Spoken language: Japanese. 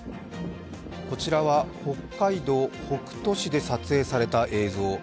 こちらは北海道北斗市で撮影された映像。